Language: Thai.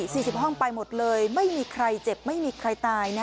สี่สิบห้องไปหมดเลยไม่มีใครเจ็บไม่มีใครตายนะ